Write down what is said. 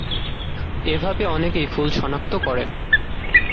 এভাবে অনেকেই ফুল শনাক্ত করেন।